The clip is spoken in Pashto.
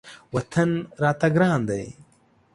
وطن راته ګران دی.